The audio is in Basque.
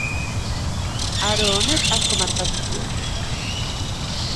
Aro honek asko markatu zuen.